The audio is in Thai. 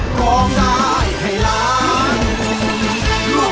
ร้องได้ให้ล้าน